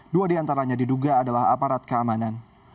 dua diantaranya diduga adalah aparat keamanan